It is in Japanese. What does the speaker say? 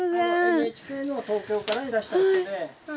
ＮＨＫの東京からいらした方で。